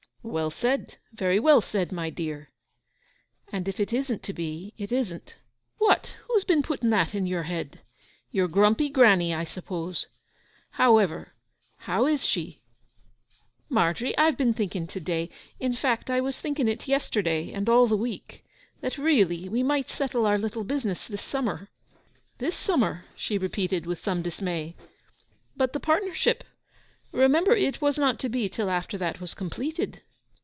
'Well said—very well said, my dear.' 'And if it isn't to be it isn't.' 'What? Who's been putting that into your head? Your grumpy granny, I suppose. However, how is she? Margery, I have been thinking to day—in fact, I was thinking it yesterday and all the week—that really we might settle our little business this summer.' 'This summer?' she repeated, with some dismay. 'But the partnership? Remember it was not to be till after that was completed.